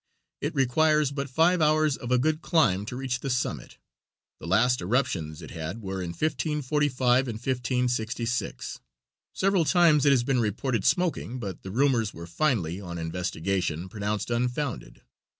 It requires but five hours of a good climb to reach the summit. The last eruptions it had were in 1545 and 1566. Several times it has been reported smoking, but the rumors were finally, on investigation, pronounced unfounded.